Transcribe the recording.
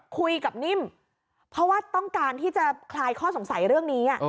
นิ่มเพราะว่าต้องการที่จะคลายข้อสงสัยเรื่องนี้